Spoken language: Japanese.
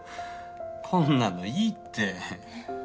こんなのいいって。